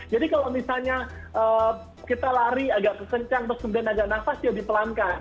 jadi kalau misalnya kita lari agak kesencang terus kemudian nafas ya dipelankan